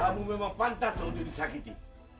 kamu memang pantas untuk disakiti